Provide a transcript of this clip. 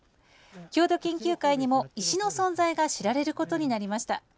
郷土研究会にも、石の存在が知られることになりました。